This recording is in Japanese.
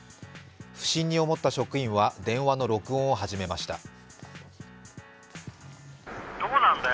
不審に思った職員は電話の録音を始めました。